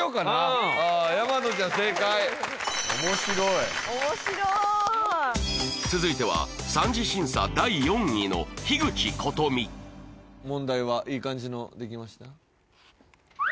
うん大和ちゃん正解面白い面白い続いては三次審査第４位の樋口琴美問題はいい感じのできました？